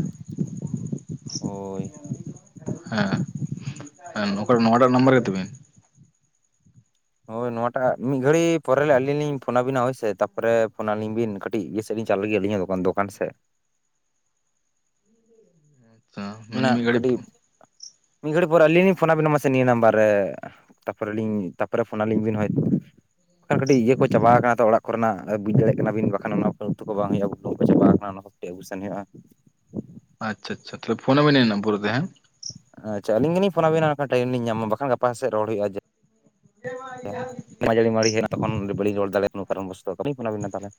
ᱦᱳᱭ ᱦᱮᱸ ᱦᱮᱸ ᱱᱚᱠᱟ ᱱᱚᱣᱟᱴᱟᱜ ᱱᱟᱢᱵᱟᱨ ᱜᱮᱛᱟᱹᱵᱤᱱ᱾ ᱦᱳᱭ ᱱᱚᱣᱟᱴᱟᱜ ᱢᱤᱫ ᱜᱷᱟᱹᱲᱤ ᱯᱚᱨᱮ ᱞᱮ ᱟᱹᱞᱤᱧ ᱞᱤᱧ ᱯᱷᱳᱱᱟ ᱟᱵᱤᱱᱟ ᱦᱳᱭᱥᱮ ᱛᱟᱯᱚᱨᱮ ᱯᱷᱳᱱ ᱟᱹᱞᱤᱧ ᱵᱤᱱ ᱠᱟᱹᱴ ᱴᱤᱜ ᱤᱭᱟᱹ ᱥᱮᱜ ᱞᱤᱧ ᱪᱟᱞᱩ ᱞᱮᱜᱮ ᱟᱹᱞᱤᱧᱟᱜ ᱫᱚᱠᱟᱱ ᱫᱚᱠᱟᱱ ᱥᱮᱜ᱾ ᱟᱪᱪᱷᱟ ᱢᱟᱱᱮ ᱩᱹᱱᱟᱜ ᱢᱤᱫ ᱜᱷᱟᱹᱲᱤᱡ ᱠᱟᱹᱴᱤᱵ ᱢᱤᱫ ᱜᱷᱟᱹᱲᱤᱡ ᱯᱚᱨ ᱟᱹᱞᱤᱧ ᱞᱤᱧ ᱯᱷᱳᱱᱟᱵᱮᱱᱟ ᱢᱟᱥᱮ ᱱᱤᱭᱟᱹ ᱱᱟᱢᱵᱟᱨ ᱨᱮ᱾ ᱛᱟᱯᱚᱨᱮ ᱞᱤᱧ ᱛᱟᱯᱚᱨᱮ ᱯᱷᱳᱱᱟᱞᱤᱧ ᱵᱤᱱ ᱦᱳᱭ᱾ ᱟᱨ ᱠᱟᱹᱴᱤᱡ ᱤᱭᱟᱹ ᱠᱚ ᱪᱟᱵᱟᱣ ᱠᱟᱱᱟ ᱛᱚ ᱚᱲᱟᱜ ᱠᱚᱨᱮᱱᱟᱜ ᱟ ᱟᱨ ᱵᱩᱡ ᱫᱟᱲᱮᱭᱟᱜ ᱠᱟᱱᱟᱵᱤᱱ ᱵᱟᱠᱷᱟᱱ ᱚᱱᱟ ᱩᱛᱩ ᱠᱚ ᱵᱟᱝ ᱦᱩᱭᱩᱜ-ᱟ ᱵᱩᱞᱩᱝ ᱠᱚ ᱪᱟᱵᱟᱣ ᱠᱟᱱᱟ ᱚᱱᱟᱠᱚ᱾ ᱴᱤᱡ ᱟᱹᱜᱩ ᱥᱮᱱ ᱦᱳᱭᱳᱜ-ᱟ ᱾ ᱟᱪᱪᱷᱟ ᱟᱪᱪᱷᱟ, ‌ ᱛᱟᱦᱚᱞᱮ ᱯᱷᱳᱱ ᱟᱵᱤᱱᱟᱹᱧ ᱱᱟᱜ ᱯᱚᱨᱮ ᱛᱮ ᱦᱮᱸ ᱾ ᱟᱪᱪᱷᱟ ᱟᱹᱞᱤᱧ ᱜᱮᱞᱤᱧ ᱯᱷᱳᱱ ᱟᱵᱮᱱᱟ ᱵᱟᱠᱷᱟᱱ ᱴᱟᱭᱤᱢ ᱞᱤᱧ ᱧᱟᱢᱟ ᱵᱟᱠᱷᱟᱱ ᱜᱟᱯᱟ ᱥᱮᱜ ᱨᱚᱲ ᱦᱩᱭᱩᱜ-ᱟ ᱡᱟ [inaudible] ᱡᱟᱲᱤ-ᱢᱟᱲᱤ ᱦᱩᱭᱱᱟ ᱛᱚᱠᱷᱚᱱ ᱵᱟᱹᱞᱤᱧ ᱨᱚᱲ ᱫᱟᱲᱮ ᱚᱱᱟ ᱠᱟᱨᱚᱱ ᱵᱚᱥᱚᱱᱛᱚ ᱵᱟᱹᱞᱤᱧ ᱯᱷᱳᱱ ᱟᱵᱮᱱᱟ ᱛᱟᱦᱚᱞᱮ ᱾